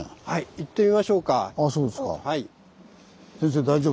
行ってみましょうか。